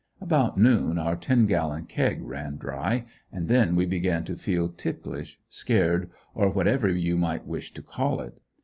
About noon our ten gallon keg run dry, and then we began to feel ticklish, scared, or whatever you wish to call it.